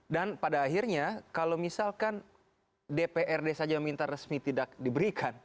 pada akhirnya kalau misalkan dprd saja minta resmi tidak diberikan